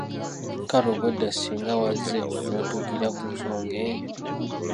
Kale obwedda singa wazze notuukira ku nsonga eyo.